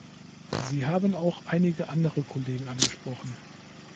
Sie haben auch einige andere Kollegen angesprochen.